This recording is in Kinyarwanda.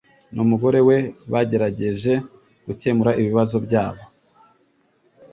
n'umugore we bagerageje gukemura ibibazo byabo